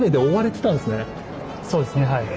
そうですねはい。